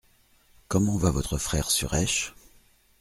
Comment va votre frère Suresh ?